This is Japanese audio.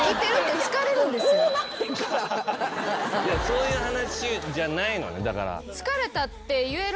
そういう話じゃないのねだから。